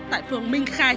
tại phường minh khai